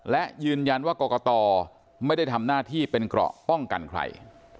และยืนยันว่ากรกตไม่ได้ทำหน้าที่เป็นเกราะป้องกันใคร